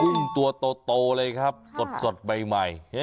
ตัวโตเลยครับสดใหม่